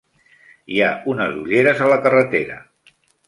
Hi ha unes ulleres a la carretera.